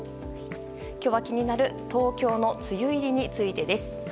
今日は、気になる東京の梅雨入りについてです。